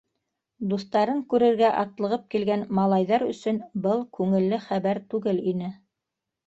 Дуҫтарын күрергә атлығып килгән малайҙар өсөн был күңелле хәбәр түгел ине.